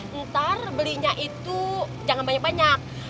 ntar belinya itu jangan banyak banyak